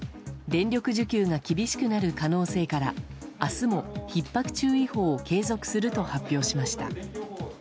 電力需給が厳しくなる可能性から明日も、ひっ迫注意報を継続すると発表しました。